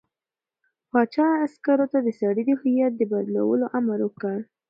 پاچا عسکرو ته د سړي د هویت د بدلولو امر وکړ.